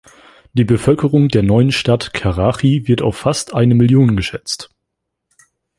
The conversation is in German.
Die Bevölkerung der neuen Stadt Karachi wird auf fast eine Million geschätzt.